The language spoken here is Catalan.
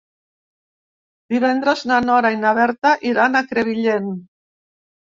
Divendres na Nora i na Berta iran a Crevillent.